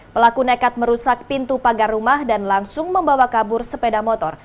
pelaku nekat merusak pintu pagar rumah dan langsung membawa kabur sepeda motor